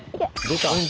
出た？